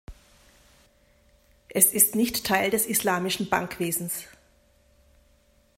Es ist nicht Teil des islamischen Bankwesens.